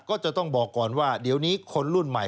ก็จะต้องบอกก่อนว่าเดี๋ยวนี้คนรุ่นใหม่